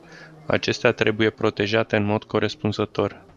Acestea trebuie protejate în mod corespunzător.